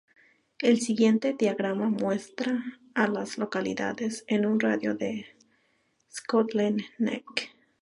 El siguiente diagrama muestra a las localidades en un radio de de Scotland Neck.